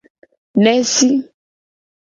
Nesi.